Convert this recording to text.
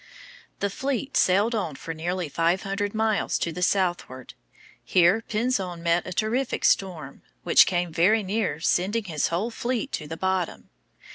The fleet sailed on for nearly five hundred miles to the southward. Here Pinzon met a terrific storm, which came very near sending his whole fleet to the bottom.